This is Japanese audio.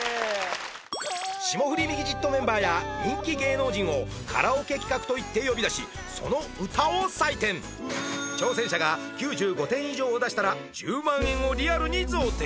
「霜降りミキＸＩＴ」メンバーや人気芸能人をカラオケ企画と言って呼び出しその歌を採点挑戦者が９５点以上を出したら１０万円をリアルに贈呈